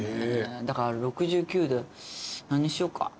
だから６９で何しようか。